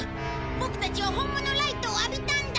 ボクたちはほんものライトを浴びたんだ！